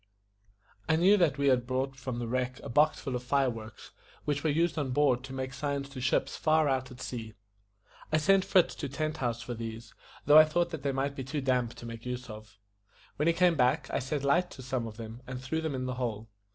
I knew that we had brought from the wreck a box full of fire works, which were used on board to make signs to ships far out at sea. I sent Fritz to Tent House for these, though I thought that they might be too damp to make use of. When he came back, I set light to some of them, and threw them in the hole.